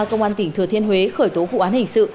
công an tỉnh thừa thiên huế khởi tố vụ án hình sự